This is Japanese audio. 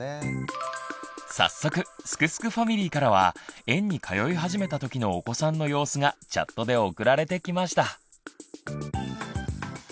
早速すくすくファミリーからは園に通い始めたときのお子さんの様子がチャットで送られてきました。